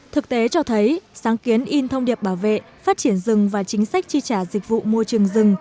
thực tế cho thấy sáng kiến in thông điệp bảo vệ phát triển rừng và chính sách tri trả dịch vụ môi trường rừng